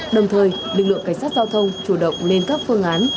đồng thời lực lượng cảnh sát giao thông chủ động lên các phương án